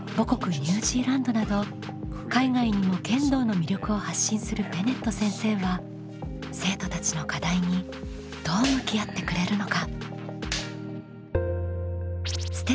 ニュージーランドなど海外にも剣道の魅力を発信するベネット先生は生徒たちの課題にどう向き合ってくれるのか？